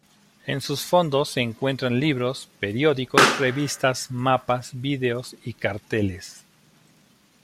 En sus fondos se encuentran libros, periódicos, revistas, mapas, vídeos y carteles.